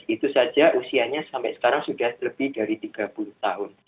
itu saja usianya sampai sekarang sudah lebih dari tiga puluh tahun